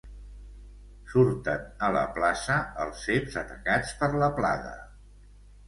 Surten a la plaça els ceps atacats per la plaga.